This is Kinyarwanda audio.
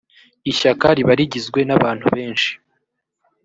ishyaka riba rigizwe nabantu beshi.